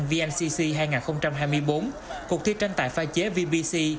cuộc thi đậu bếp việt nam vncc hai nghìn hai mươi bốn cuộc thi tranh tài phai chế vbc